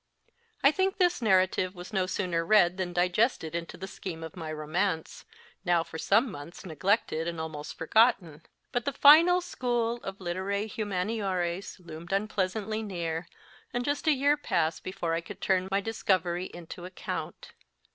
I think this narrative was no sooner read than digested into the scheme of my romance, now for some months neglected and almost forgotten. But the Final School of Literae Humaniores loomed unpleasantly near, and just a year passed before I could turn my discovery to account.